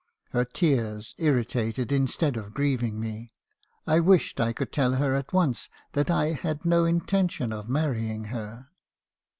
Her tears irritated, instead of grieving me. I wished I could tell her at once that I had no intention of marrying her."